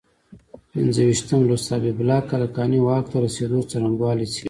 پنځه ویشتم لوست حبیب الله کلکاني واک ته رسېدو څرنګوالی څېړي.